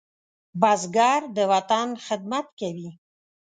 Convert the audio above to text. بزګر د وطن خدمت کوي